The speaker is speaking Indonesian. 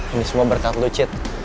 ini semua berkat lu cid